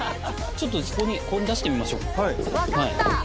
ちょっとそこに氷出してみましょうかわかった！